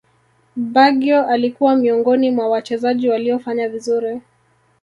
baggio alikuwa miongoni mwa Wachezaji waliofanya vizuri